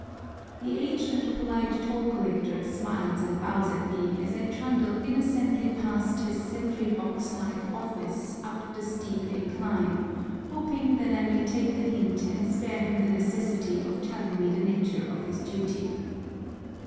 The aged and polite toll collector smiles and bows at me as I trundle innocently past his sentry box like office up the steep incline, hoping that I may take the hint and spare him the necessity of telling me the nature of his duty.